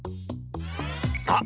あっ！